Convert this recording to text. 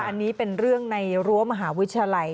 อันนี้เป็นเรื่องในรั้วมหาวิทยาลัย